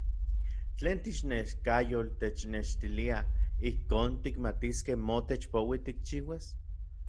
¿tlen tlixneskayotl technextilia ijkon tikmatiskej motech poui tikchiuas?